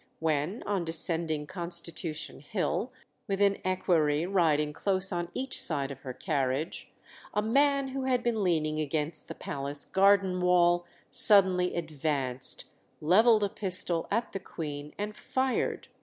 when, on descending Constitution Hill, with an equerry riding close on each side of her carriage, a man who had been leaning against the palace garden wall suddenly advanced, levelled a pistol at the Queen, and fired.